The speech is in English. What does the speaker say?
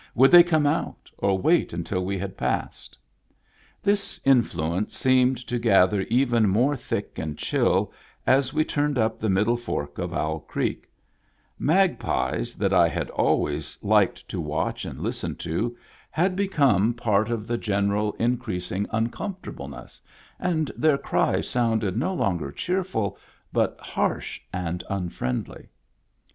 would they come out or wait until we had passed? This influence seemed to gather even more thick and chill as we turned up the middle fork of Owl Creek; magpies, that I had always liked to watch and listen to, had become part of Digitized by Google 148 MEMBERS OF THE FAMILY the general increasing uncomfortableness, and their cries sounded no longer cheerful, but harsh and unfriendly.